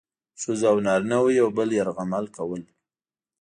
ښځو او نارینه وو یو بل یرغمل کول.